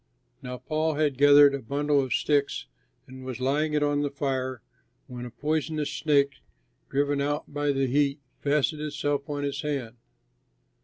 Now Paul had gathered a bundle of sticks and was laying it on the fire when a poisonous snake, driven out by the heat, fastened itself on his hand.